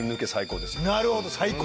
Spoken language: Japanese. なるほど最高！